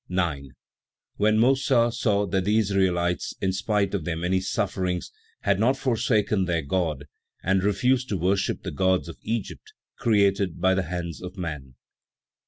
9. When Mossa saw that the Israelites, in spite of their many sufferings, had not forsaken their God, and refused to worship the gods of Egypt, created by the hands of man.